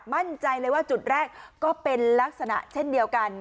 มั่นใจเลยว่าจุดแรกก็เป็นลักษณะเช่นเดียวกัน